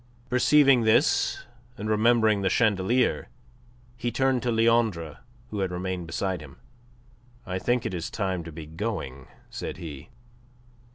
Perceiving this, and remembering the chandelier, he turned to Leandre, who had remained beside him. "I think it is time to be going," said he.